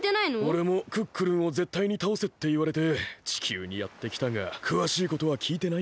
おれもクックルンをぜったいにたおせっていわれて地球にやってきたがくわしいことはきいてないんだ。